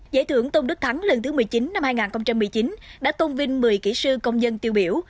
giải thưởng tôn đức thắng lần thứ một mươi chín năm hai nghìn một mươi chín đã tôn vinh một mươi kỹ sư công nhân tiêu biểu